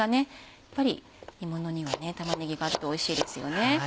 やっぱり煮物には玉ねぎがあるとおいしいですよね。